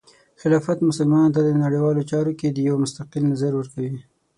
خلافت مسلمانانو ته د نړیوالو چارو کې د یو مستقل نظر ورکوي.